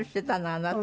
あなた。